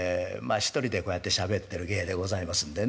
１人でこうやってしゃべってる芸でございますんでね